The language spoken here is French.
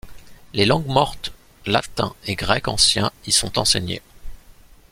Les langues mortes latin et grec ancien y sont enseignées.